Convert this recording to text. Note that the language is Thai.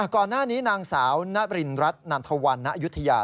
ก่อนหน้านี้นางสาวณรินรัฐณธวรรณณยุธยา